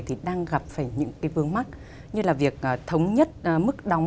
thì đang gặp phải những cái vướng mắt như là việc thống nhất mức đóng